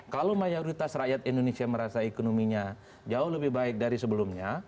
kalau mayoritas rakyat indonesia merasa ekonominya jauh lebih baik dari sebelumnya